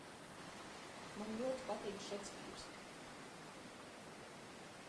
Man ļoti patīk Šekspīrs!